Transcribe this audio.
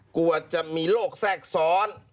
กลัวจะมีโรคแทรกซ้อน